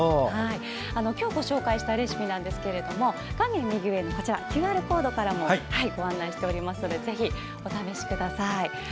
今日ご紹介したレシピなんですけど画面右上のＱＲコードからもご案内していますのでぜひお試しください。